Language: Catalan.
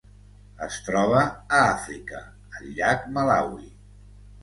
Es troba a Àfrica: el llac Malawi.